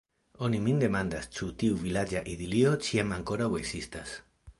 Oni min demandas, ĉu tiu vilaĝa idilio ĉiam ankoraŭ ekzistas.